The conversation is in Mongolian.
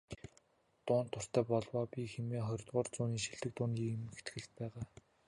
"Дуунд дуртай болов оо би" хэмээх ХХ зууны шилдэг дууны эмхэтгэлд байгаа.